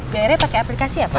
di airnya pakai aplikasi ya pak